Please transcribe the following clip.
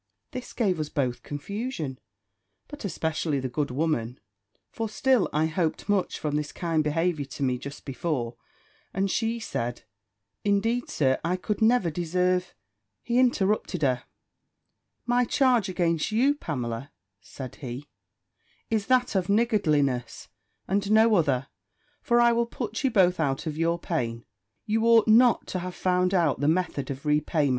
This gave us both confusion, but especially the good woman; for still I hoped much from his kind behaviour to me just before and she said, "Indeed, Sir, I could never deserve " He interrupted her "My charge against you, Pamela," said he, "is that of niggardliness, and no other; for I will put you both out of your pain: you ought not to have found out the method of repayment.